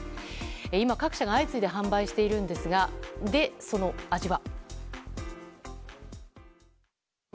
今、各社が相次いで販売しているんですがその味は。